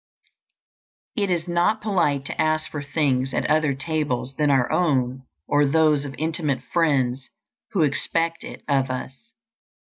It is not polite to ask for things at other tables than our own or those of intimate friends who expect it of us.